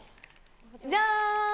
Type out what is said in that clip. じゃーん！